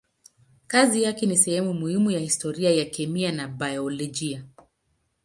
Kazi yake ni sehemu muhimu ya historia ya kemia na biolojia.